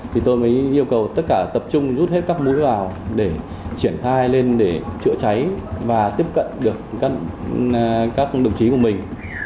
thì tôi mới yêu cầu tất cả tập trung rút hết các mũi vào để triển khai lên để chữa cháy và tiếp cận được các đồng chí của mình